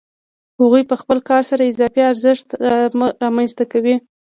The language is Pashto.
هغوی په خپل کار سره اضافي ارزښت رامنځته کوي